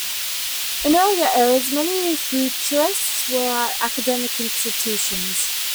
In earlier eras, many futurists were at academic institutions.